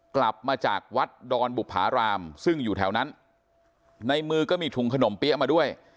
กลับมาจากวัดดอนบุภารามซึ่งอยู่แถวนั้นในมือก็มีถุงขนมเปี๊ยะมาด้วย